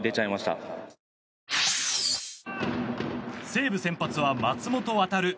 西武先発は松本航。